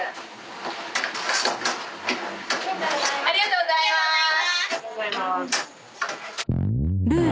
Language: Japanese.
ありがとうございます。